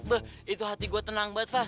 beuh itu hati gue tenang banget fah